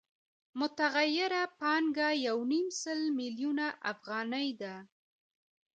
متغیره پانګه یو نیم سل میلیونه افغانۍ ده